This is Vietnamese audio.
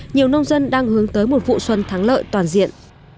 nhiều nông dân đang hướng tới một vụ xuân thắng lợi toàn diện